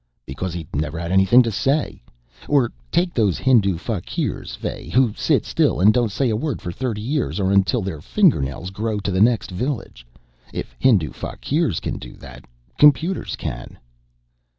"Because he'd never had anything to say. Or take those Hindu fakirs, Fay, who sit still and don't say a word for thirty years or until their fingernails grow to the next village. If Hindu fakirs can do that, computers can!"